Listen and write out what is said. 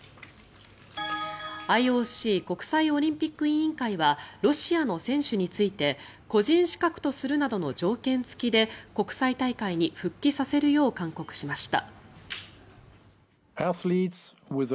ＩＯＣ・国際オリンピック委員会はロシアの選手について個人資格とするなどの条件付きで国際大会に復帰させるよう勧告しました。